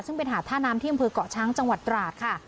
ซึ่งเป็นหาดท่าน้ำที่อำเภอกเกาะช้างจังหวัดตราดค่ะ